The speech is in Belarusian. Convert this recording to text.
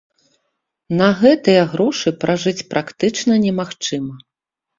На гэтыя грошы пражыць практычна немагчыма.